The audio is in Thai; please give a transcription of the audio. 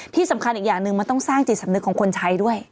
ที่สำคัญอีกอย่างหนึ่งมันต้องสร้างจิตสำนึกของคนใช้ด้วย